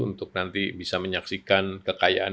untuk nanti bisa menyaksikan kekayaan